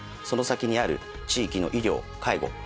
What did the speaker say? その先にある地域の医療・介護